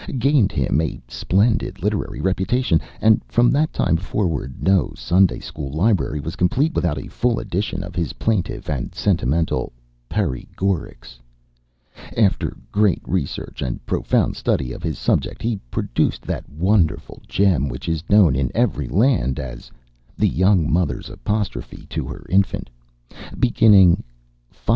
gained him a splendid literary reputation, and from that time forward no Sunday school library was complete without a full edition of his plaintive and sentimental "Perry Gorics." After great research and profound study of his subject, he produced that wonderful gem which is known in every land as "The Young Mother's Apostrophe to Her Infant," beginning: "Fie!